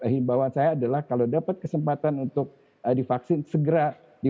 himbawan saya adalah kalau dapat kesempatan untuk divaksin segera divaksinasi karena itu akan menurunkan risiko